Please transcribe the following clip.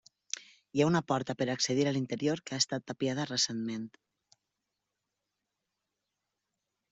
Hi ha una porta per accedir a l'interior que ha estat tapiada recentment.